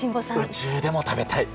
宇宙でも食べたい！